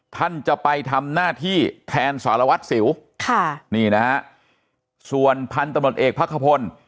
ท่านจะไปทำหน้าที่แทนสารวัตรสิวค่ะนี่นะฮะส่วนพันธุ์ตำรวจเอกพักขพล